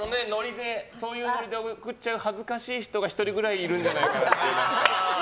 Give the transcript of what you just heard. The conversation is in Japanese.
ノリで送っちゃう恥ずかしい人が１人くらいいるんじゃないかと。